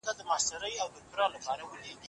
که انلاین کورسونه وي، مهارتونه ژر عملي کېږي.